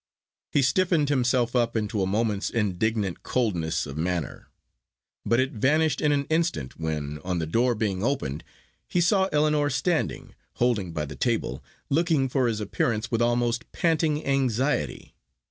He stiffened himself up into a moment's indignant coldness of manner. But it vanished in an instant when, on the door being opened, he saw Ellinor standing holding by the table, looking for his appearance with almost panting anxiety.